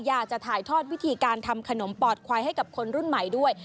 อยากจะถ่ายทอดวิธีการทำขนมปอดควายให้กับคนรุ่นใหม่ด้วย